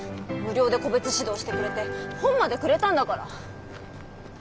無料で個別指導してくれて本までくれたんだから。